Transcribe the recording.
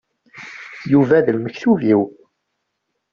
Yuba d lmektub-iw.